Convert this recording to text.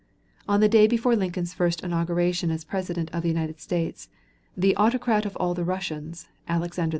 On the day before Lincoln's first inauguration as President of the United States, the "Autocrat of all the Russias," Alexander II.